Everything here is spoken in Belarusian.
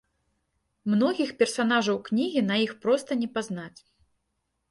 Многіх персанажаў кнігі на іх проста не пазнаць.